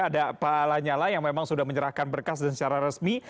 ada palanyala yang memang sudah menyerahkan berkas secara resmi